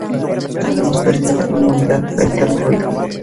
No hemos perdido inmunidad frente al ruido.